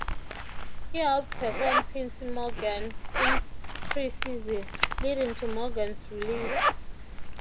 He outperformed Quincy Morgan in preseason, leading to Morgan's release.